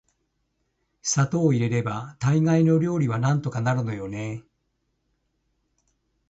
砂糖を入れれば大概の料理はなんとかなるのよね～